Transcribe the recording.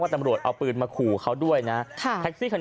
ไม่น่ามีเหตุการณ์แล้วก็ทางเด็กครับ